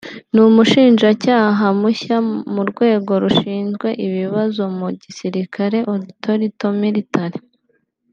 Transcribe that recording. n’Umushinjacyaha mushya mu Rwego Rushinzwe Ibibazo mu Gisirikare (Auditorat Militaire)